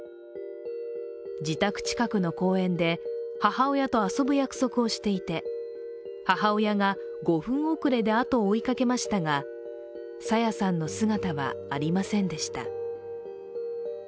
自宅近くの公園で、母親と遊ぶ約束をしていて、母親が５分遅れで後を追いかけましたが朝芽さんの姿はありませんでした。